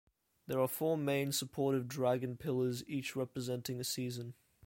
There are four main supportive, dragon pillars each representing a season.